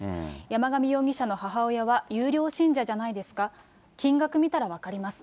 山上容疑者の母親は優良信者じゃないですか、金額見たら分かります。